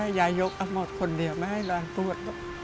ให้ยายยกอันหมดคนเดียวไม่ให้ร้านปวด